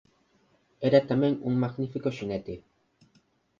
Era tamén un magnífico xinete.